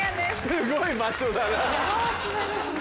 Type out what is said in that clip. すごい場所だな。